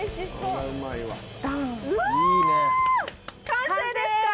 完成ですか？